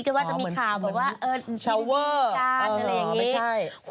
นางเอก